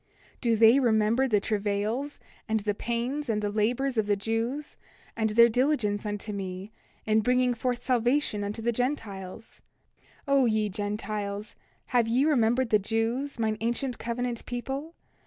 Do they remember the travails, and the labors, and the pains of the Jews, and their diligence unto me, in bringing forth salvation unto the Gentiles? 29:5 O ye Gentiles, have ye remembered the Jews, mine ancient covenant people?